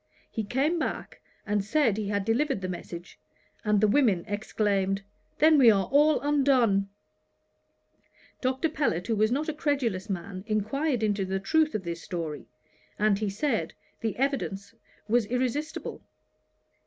He came back, and said he had delivered the message, and the women exclaimed, "Then we are all undone!" Dr. Pellet, who was not a credulous man, inquired into the truth of this story, and he said, the evidence was irresistible.